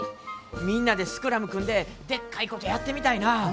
みんなでスクラム組んででっかいことやってみたいなぁ。